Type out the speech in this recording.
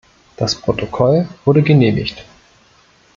Das Protokoll wurde genehmigt.